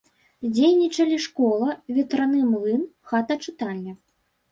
Дзейнічалі школа, ветраны млын, хата-чытальня.